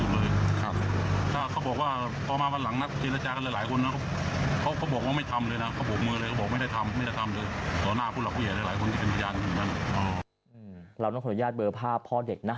เราน้องธุรกิจยากเบอร์ภาพพ่อเด็กนะ